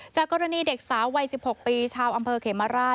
จากกรณีเด็กสาววัย๑๖ปีชาวอำเภอเขมราช